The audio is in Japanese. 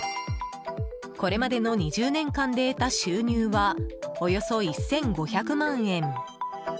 これまでの２０年間で得た収入はおよそ１５００万円。